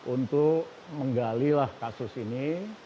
untuk menggalilah kasus ini